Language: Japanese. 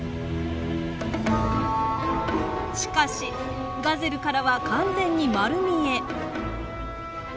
しかしガゼルからは完全に丸見え。